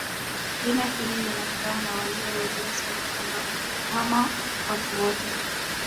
Jina hili lilitokana na wazee waliosema kwamba kuhama watu wote